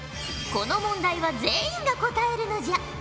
この問題は全員が答えるのじゃ。